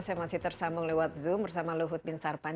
saya masih tersambung lewat zoom bersama luhut bin sarpan